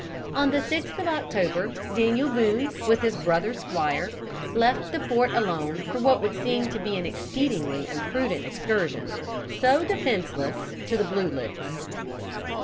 On the sixth of October Daniel Boone, with his brother Squire, left the fort alone for what would seem to be an exceedingly imprudent excursion, so defenceless, to the Blue Licks.